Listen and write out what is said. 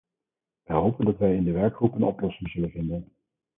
Wij hopen dat wij in de werkgroep een oplossing zullen vinden.